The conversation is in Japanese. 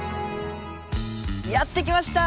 やって来ました！